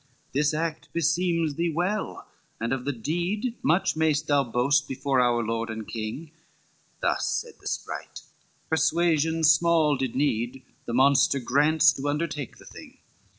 IV "This act beseems thee well, and of the deed Much may'st thou boast before our lord and king." Thus said the sprite. Persuasion small did need, The monster grants to undertake the thing.